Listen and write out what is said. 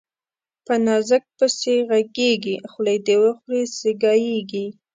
په نازک پسي ږغېږي، خولې ده وخوري سي ګايږي